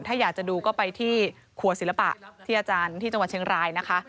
ถ้าอยากจะดูก็ไปที่ครัวศิลปะที่อาจารย์ที่จังหวัดเชียงรายนะคะ